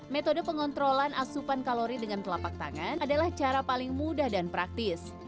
metode pengontrolan asupan kalori dengan telapak tangan adalah cara paling mudah dan praktis